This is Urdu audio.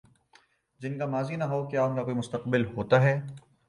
جن کا ماضی نہ ہو، کیا ان کا کوئی مستقبل ہوتا ہے؟